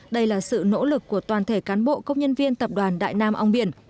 đây là sự nỗ lực của toàn thể cán bộ công nhân viên tập đoàn đại nam ong biển